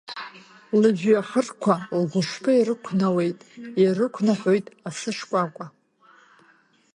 Лыжәҩахырқәа, лгәышԥы ирықәнауеит, ирықәнаҳәоит асы шкәакәа.